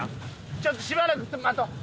ちょっとしばらく待とう。